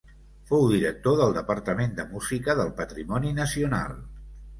Fou director del Departament de Música del Patrimoni Nacional.